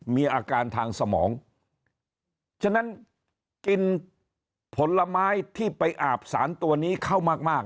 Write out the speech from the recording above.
มีอาการทางสมองฉะนั้นกินผลไม้ที่ไปอาบสารตัวนี้เข้ามากมาก